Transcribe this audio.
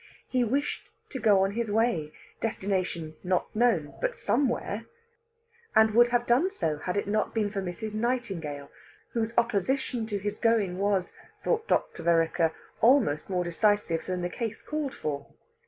He wished to go on his way destination not known; but somewhere and would have done so had it not been for Mrs. Nightingale, whose opposition to his going was, thought Dr. Vereker, almost more decisive than the case called for.